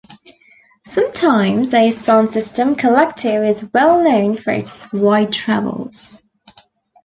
Sometimes a sound system collective is well known for its wide travels.